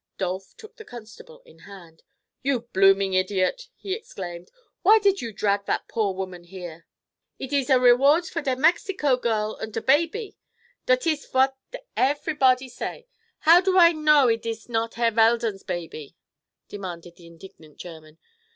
Dolph took the constable in hand. "You blooming idiot!" he exclaimed. "Why did you drag that poor woman here?" "Id iss a rewards for der Mexico girl unt a baby; dot iss what ef'rybody say. How do I know id iss not Herr Veldon's baby?" demanded the indignant German.